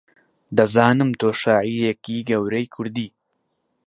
دەزانم تۆ شاعیرێکی گەورەی کوردی